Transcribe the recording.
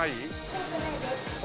怖くないです。